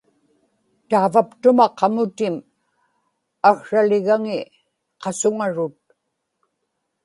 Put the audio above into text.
taavaptuma qamutim aksraligaŋi qasuŋarut